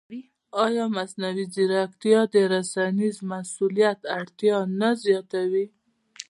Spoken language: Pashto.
ایا مصنوعي ځیرکتیا د رسنیز مسوولیت اړتیا نه زیاتوي؟